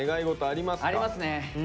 ありますね。